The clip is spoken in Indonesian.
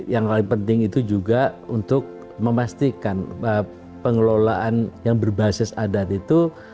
yang paling penting itu juga untuk memastikan pengelolaan yang berbasis adat itu